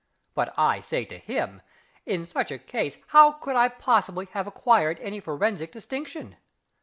But I say to him, in such a case how could I possibly have acquired any forensic distinction?